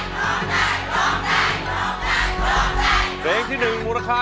โทษใจโทษใจโทษใจโทษใจ